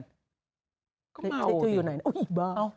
เมาง